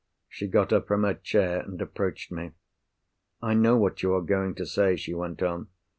She got up from her chair, and approached me. "I know what you are going to say," she went on.